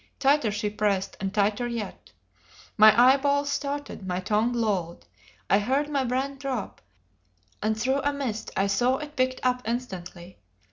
Tighter she pressed, and tighter yet. My eyeballs started; my tongue lolled; I heard my brand drop, and through a mist I saw it picked up instantly.